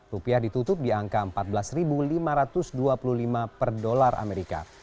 rupiah ditutup di angka empat belas lima ratus dua puluh lima per dolar amerika